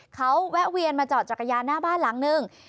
เขาแวะเวียนมาจอดจักรยานหน้าบ้านหลังนึง